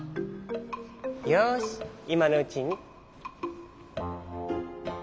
よしいまのうちに。